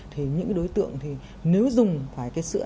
thì những cái đối tượng thì nếu dùng phải cái sữa